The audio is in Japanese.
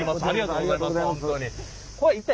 ありがとうございます。